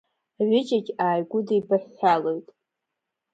Аҩыџьагь ааигәыдибаҳәҳәалоит.